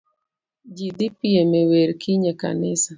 Ji dhi piem e wer kiny ekanisa.